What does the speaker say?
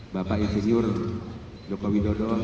bapak insinyur joko widodo